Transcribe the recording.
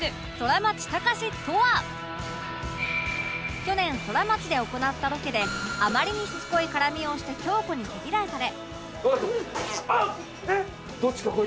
去年ソラマチで行ったロケであまりにしつこい絡みをして京子に毛嫌いされ